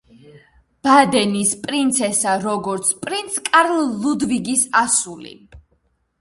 ბადენის პრინცესა როგორც პრინც კარლ ლუდვიგის ასული.